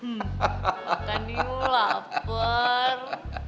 makan nih lapar